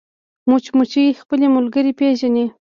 مچمچۍ خپلې ملګرې پېژني